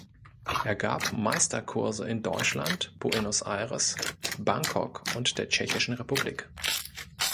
Er gab Meisterkurse in Deutschland, Buenos Aires, Bangkok und der Tschechischen Republik.